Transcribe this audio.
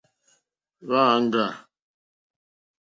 Hwá āŋɡâ.